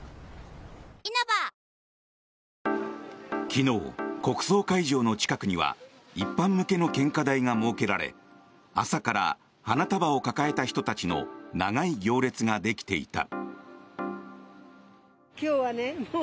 昨日、国葬会場の近くには一般向けの献花台が設けられ朝から花束を抱えた人たちの長い行列ができていた。